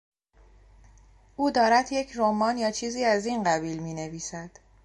او دارد یک رمان یا چیزی از این قبیل مینویسد.